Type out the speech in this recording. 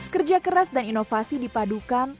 kerja keras dan inovasi dipadukan